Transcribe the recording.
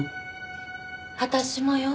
私もよ。